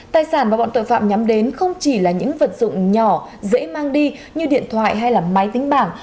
tài sản mà bọn tội phạm nhắm đến không chỉ là những vật dụng nhỏ dễ mang đi như điện thoại hay máy tính bảng